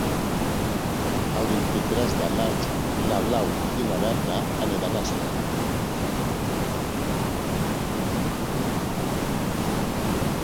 El vint-i-tres de maig na Blau i na Berta aniran al cinema.